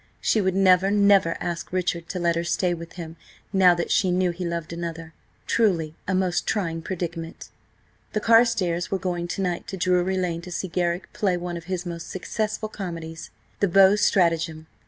She would never, never ask Richard to let her stay with him now that she knew he loved another. Truly a most trying predicament. The Carstares were going to night to Drury Lane to see Garrick play one of his most successful comedies: the Beaux' Stratagem.